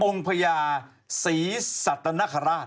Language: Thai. องค์พระยาศรีสัตว์นครราช